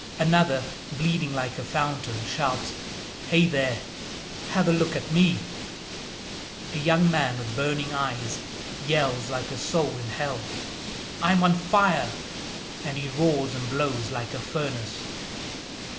Another, bleeding like a fountain, shouts, "Hey, there! have a look at me!" A young man with burning eyes yells like a soul in hell, "I'm on fire!" and he roars and blows like a furnace.